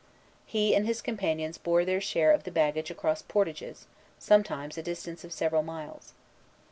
He and his companions bore their share of the baggage across the portages, sometimes a distance of several miles.